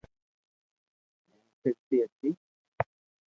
ھيين پھرتي ھتي